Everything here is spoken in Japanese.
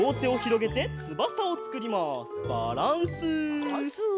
バランス！